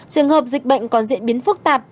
trường hợp dịch bệnh còn diễn biến phức tạp